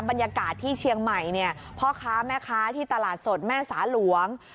บรรยากาศที่เชียงใหม่เนี่ยพ่อค้าแม่ค้าที่ตลาดสดแม่สาหลวง